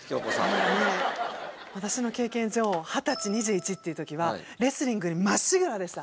もうね私の経験上２０歳２１っていう時はレスリングにまっしぐらでした。